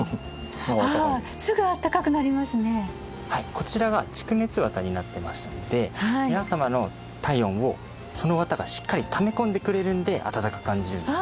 こちらが蓄熱綿になってまして皆様の体温をその綿がしっかりため込んでくれるんで暖かく感じるんです。